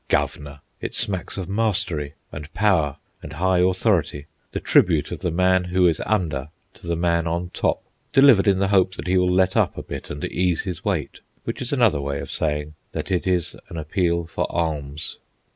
Governor! It smacks of mastery, and power, and high authority—the tribute of the man who is under to the man on top, delivered in the hope that he will let up a bit and ease his weight, which is another way of saying that it is an appeal for alms.